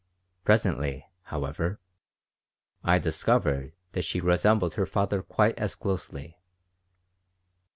Presently, however, I discovered that she resembled her father quite as closely.